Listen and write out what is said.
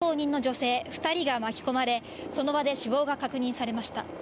消防などによりますと、通行人の女性２人が巻き込まれ、その場で死亡が確認されました。